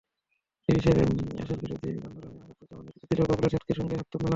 তিরাশিতে এরশাদবিরোধী আন্দোলনে আখতারুজ্জামান নেতৃত্ব দিলেও বাবলু এরশাদের সঙ্গে হাত মেলান।